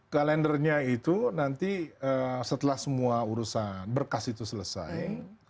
kalendernya itu nanti setelah semua urusan berkas itu selesai